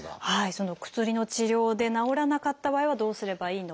その薬の治療で治らなかった場合はどうすればいいのか。